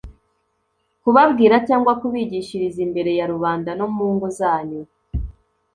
kubabwira cyangwa kubigishiriza imbere ya rubanda no mu ngo zanyu.